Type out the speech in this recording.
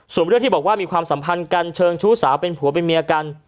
ส่วนเรื่องที่บอกว่ามีความสัมพันธ์กันเชิงชู้สาวเป็นผัวเป็นเมียกัน